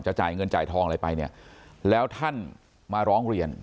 จ่ายเงินจ่ายทองอะไรไปเนี่ยแล้วท่านมาร้องเรียน